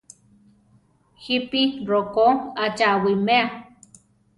¿Jípi rokó a cha awimea?